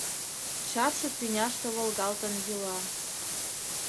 Чапше тӱняште волгалтын йӱла